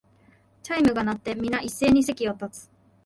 チャイムが鳴って、みな一斉に席を立つ